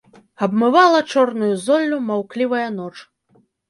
Абмывала чорнаю золлю маўклівая ноч.